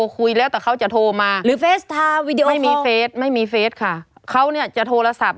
คุยแล้วแต่เขาจะโทรมาไม่มีเฟซค่ะเขาจะโทรศัพท์